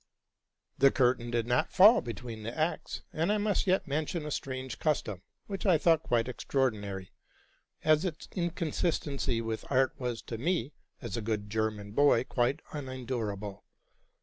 The curtain did not fall between the acts¢ and I must yet mention a strange custom, which I thought quite extraordi nary; as its inconsistency with art was to me, as a good German boy, quite unendurable.